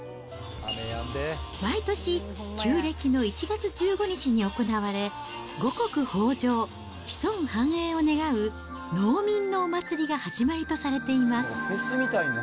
毎年、旧暦の１月１５日に行われ、五穀豊じょう、子孫繁栄を願う農民のお祭りが始まりとされています。